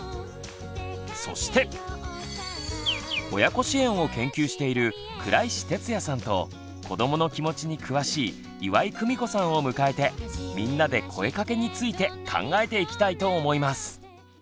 そして親子支援を研究している倉石哲也さんと子どもの気持ちに詳しい岩井久美子さんを迎えてみんなで「声かけ」について考えていきたいと思います！